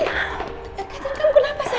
katerine kamu kenapa sayang